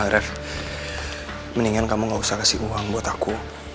ref mendingan kamu gak usah kasih uang buat aku